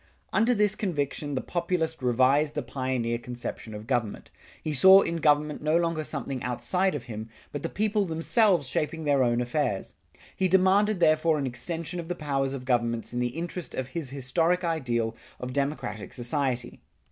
Under this conviction the Populist revised the pioneer conception of government. He saw in government no longer something outside of him, but the people themselves shaping their own affairs. He demanded therefore an extension of the powers of governments in the interest of his historic ideal of democratic society.